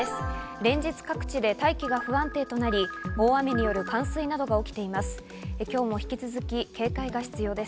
連日各地で大気が不安定となり、大雨による冠水などが起きています。